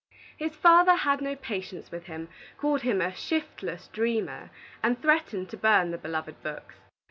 His father had no patience with him, called him a shiftless dreamer, and threatened to burn the beloved books.